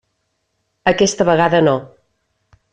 Aquesta vegada no.